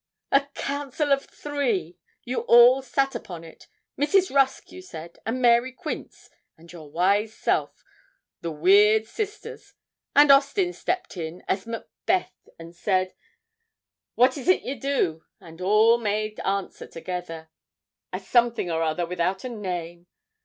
A council of three you all sat upon it Mrs. Rusk, you said, and Mary Quince, and your wise self, the weird sisters; and Austin stepped in, as Macbeth, and said, 'What is't ye do?' You all made answer together, 'A something or other without a name!'